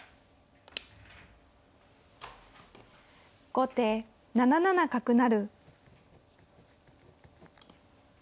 後手７七角成。